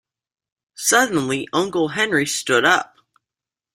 Suddenly Uncle Henry stood up.